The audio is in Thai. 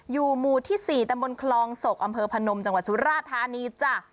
อยู่หมู่ที่๔แต่มรถครองศกอำเภอพนมจังหวัดสุรธานีจ้า